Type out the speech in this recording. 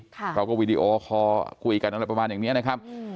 เขาก็วีดีโอคอลคุยกันอะไรประมาณอย่างนี้นะครับ